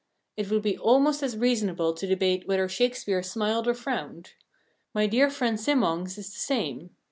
It would be almost as reasonable to debate whether Shakespeare smiled or frowned. My dear friend Simmongues is the same.